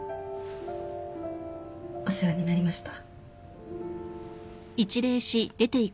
お世話になりました。